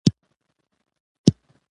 وایي ته مې یې بښلی